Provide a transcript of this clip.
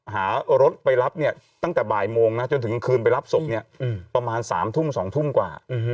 หารถไปรับตั้งแต่บ่ายโมงถึงคืนไปรับศพประมาณ๓ทุ่ม๒ทุ่มกว่า